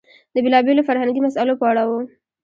د بېلابېلو فرهنګي مسئلو په اړه و.